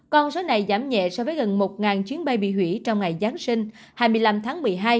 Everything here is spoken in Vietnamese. con số này giảm nhẹ so với gần một chuyến bay bị hủy trong ngày giáng sinh hai mươi năm tháng một mươi hai